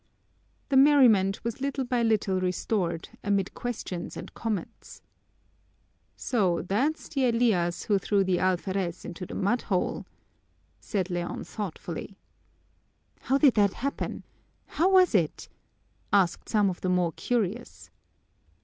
The merriment was little by little restored, amid questions and comments. "So that's the Elias who threw the alferez into the mudhole," said Leon thoughtfully. "How did that happen? How was it?" asked some of the more curious.